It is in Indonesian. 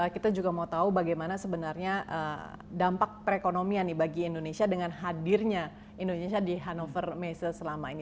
kita juga mau tahu bagaimana sebenarnya dampak perekonomian bagi indonesia dengan hadirnya indonesia di hannover messe selama ini